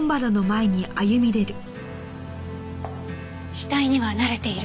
「死体には慣れている」